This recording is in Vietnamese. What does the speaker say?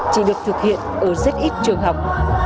chỉ được thực hiện ở rất ít trường học